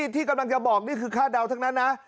ที่กำลังจะบอกนี่คือคาดเดาทั้งนั้นนะ